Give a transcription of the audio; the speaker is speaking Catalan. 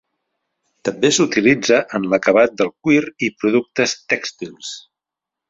També s'utilitza en l'acabat del cuir i productes tèxtils.